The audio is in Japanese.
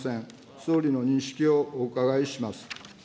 総理の認識をお伺いします。